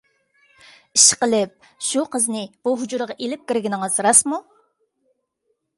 ئىشقىلىپ شۇ قىزنى بۇ ھۇجرىغا ئېلىپ كىرگىنىڭىز راستمۇ؟